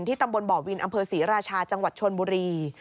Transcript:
ตำบลบ่อวินอำเภอศรีราชาจังหวัดชนบุรี